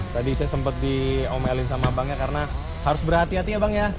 tadi saya sempat diomelin sama bang ya karena harus berhati hati ya bang ya